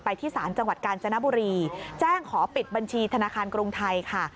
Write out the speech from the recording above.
ที่ศาลจังหวัดกาญจนบุรีแจ้งขอปิดบัญชีธนาคารกรุงไทยค่ะ